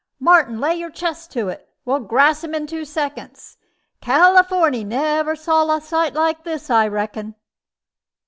"Martin, lay your chest to it. We'll grass him in two seconds. Californy never saw a sight like this, I reckon."